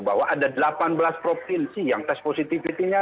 bahwa ada delapan belas provinsi yang test positivity nya